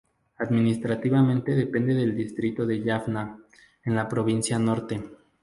Administrativamente depende del Distrito de Jaffna, en la Provincia Norte.